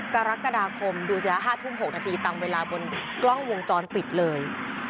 กรกฎาคมดูสิฮะ๕ทุ่ม๖นาทีตามเวลาบนกล้องวงจรปิดเลย